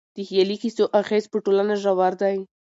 د خيالي کيسو اغېز په ټولنه ژور دی.